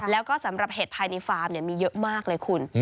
แล้วก็สำหรับเห็ดภายในฟาร์มมีเยอะมากเลยคุณ